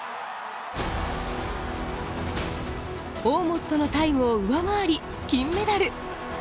オーモットのタイムを上回り金メダル。